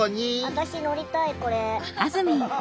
私乗りたいこれ。